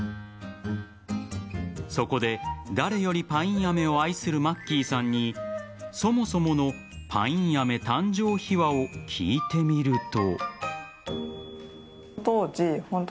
そこで、誰よりパインアメを愛するマッキーさんにそもそものパインアメ誕生秘話を聞いてみると。